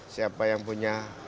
siapa yang punya